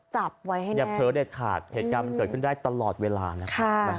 จับไว้ให้ได้อย่าเผลอเด็ดขาดเหตุการณ์มันเกิดขึ้นได้ตลอดเวลานะคะ